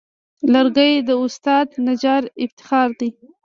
لرګی د استاد نجار افتخار دی.